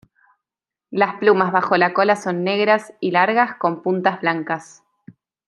Las plumas bajo la cola son negras y largas, con puntas blancas.